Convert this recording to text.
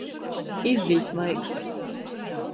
Izdiļs vaigs.